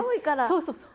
そうそうそう。